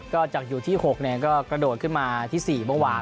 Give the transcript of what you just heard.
ก็จากอยู่ที่๖ก็กระโดดขึ้นมาที่๔เมื่อวาน